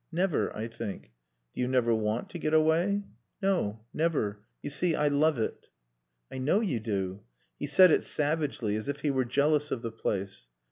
"Never, I think." "Do you never want to get away?" "No. Never. You see, I love it." "I know you do." He said it savagely, as if he were jealous of the place.